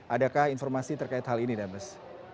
adakah informasi terkait hal ini demes